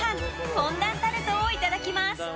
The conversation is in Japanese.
フォンダンタルトをいただきます。